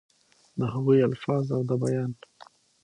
دَ هغوي الفاظ او دَ بيان